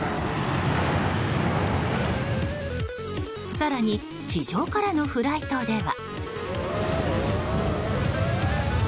更に地上からのフライトでは。